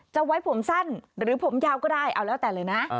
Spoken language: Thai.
ไว้ผมสั้นหรือผมยาวก็ได้เอาแล้วแต่เลยนะ